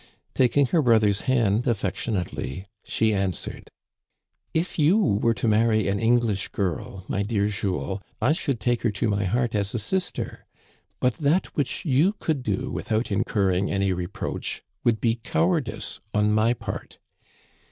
Taking her broth er's hand affectionately, she answered :" If you were to marry an English girl, my dear Jules, I should take her to my heart as a sister ; but that which you could do without incurring any reproach, would be cowardice on my part.